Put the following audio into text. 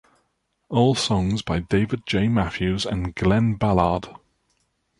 All songs by David J. Matthews and Glen Ballard.